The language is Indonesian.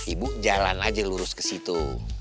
ibu jalan aja lurus ke situ